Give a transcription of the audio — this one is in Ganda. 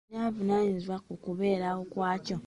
Ani avunanyizibwa ku kubeerawo kwakyo?